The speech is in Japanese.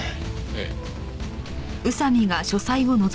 ええ。